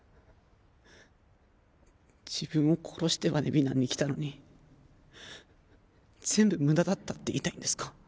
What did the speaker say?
自分を殺してまで美南に来たのに全部無駄だったって言いたいんですか？